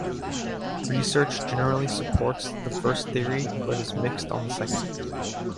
Research generally supports the first theory but is mixed on the second.